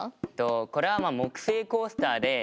これはまあ木製コースターでああ！